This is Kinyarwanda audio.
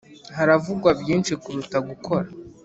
haravugwa byinshi kuruta gukora